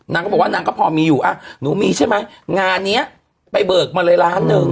นางก็บอกว่านางก็พอมีอยู่อ่ะหนูมีใช่ไหมงานเนี้ยไปเบิกมาเลยล้านหนึ่ง